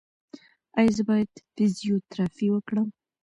ایا زه باید فزیوتراپي وکړم؟